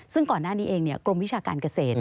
ซึ่งก่อนหน้านี้เองกรมวิชาการเกษตร